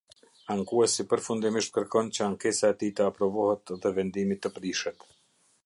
Ankuesi përfundimisht kërkon që ankesa e tij të aprovohet dhe vendimi të prishet.